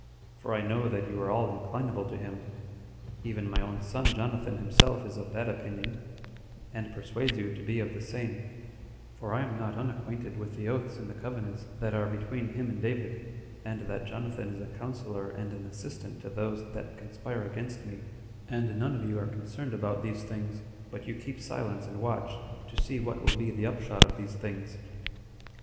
for I know that you are all inclinable to him; [even my own son Jonathan himself is of that opinion, and persuades you to be of the same]; for I am not unacquainted with the oaths and the covenants that are between him and David, and that Jonathan is a counselor and an assistant to those that conspire against me, and none of you are concerned about these things, but you keep silence and watch, to see what will be the upshot of these things."